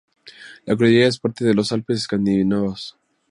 La cordillera es parte de los Alpes escandinavos.